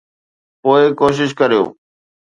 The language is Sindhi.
پوء ڪوشش ڪريو